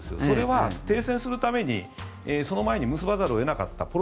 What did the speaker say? それは停戦するためにその前に結ばざるを得なかった。